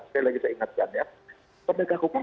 sekali lagi saya ingatkan ya penegak hukum